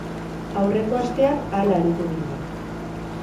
Aurreko astean hala aritu ginen.